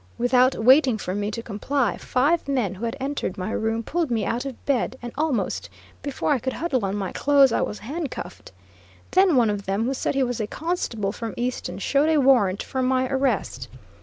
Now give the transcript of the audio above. Without waiting for me, to comply, five men who had entered my room pulled me out of bed, and almost before I could huddle on my clothes I was handcuffed. Then one of them, who said he was a constable from Easton, showed a warrant for my arrest.